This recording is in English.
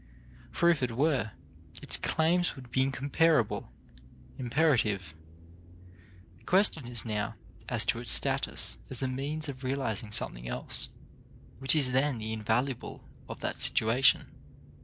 For if it were, its claims would be incomparable, imperative. The question is now as to its status as a means of realizing something else, which is then the invaluable of that situation.